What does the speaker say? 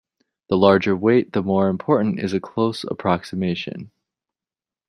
The larger weight, the more important is a close approximation.